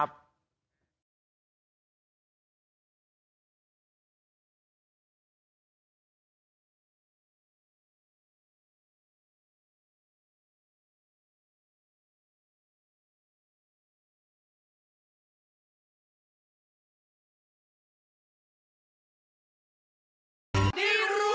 ดีร้วย